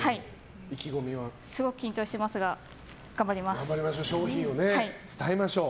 すごく緊張してますが商品を伝えましょう。